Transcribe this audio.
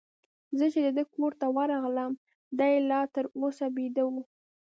زه چي د ده کور ته ورغلم، دی لا تر اوسه بیده وو.